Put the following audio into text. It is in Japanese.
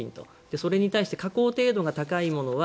それに対して加工程度が高いものは